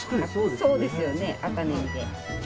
そうですよね赤ねぎで。